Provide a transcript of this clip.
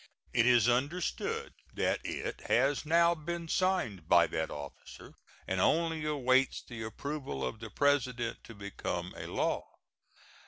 It is understood that it has now been signed by that officer, and only awaits the approval of the President to become a law.